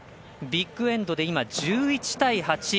ビッグエンドで１１対８。